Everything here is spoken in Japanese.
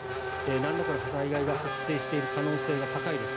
なんらかの災害が発生している可能性が高いです。